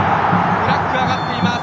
フラッグが上がっています。